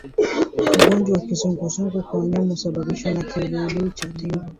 Ugonjwa wa kizunguzungu kwa wanyama husababishwa na kiluilui cha tegu